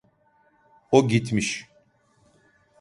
O gitmiş.